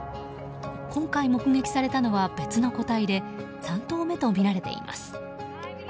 今回目撃されたのは別の個体で３頭目とみられています。